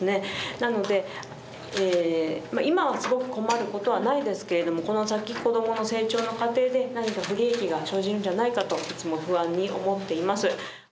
なのでえ今はすごく困ることはないですけれどもこの先子どもの成長の過程で何か不利益が生じるんじゃないかといつも不安に思っています。